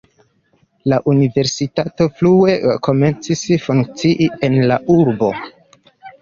La universitato frue komencis funkcii en la urbo.